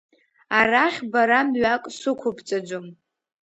Арахь бара мҩак сықәыбҵаӡом.